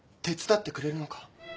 手伝ってくれるのか？